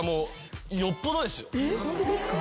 えっホントですか？